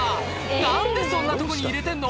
何でそんなとこに入れてんの？